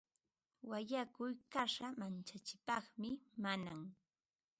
Wallankuy kasha mancharipaqmi nanan.